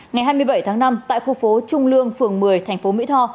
ngày hai mươi bảy tháng năm tại khu phố trung lương phường một mươi thành phố mỹ tho